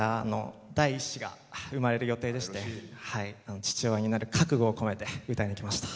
第一子が生まれる予定でして父親になる覚悟を込めて歌いに来ました。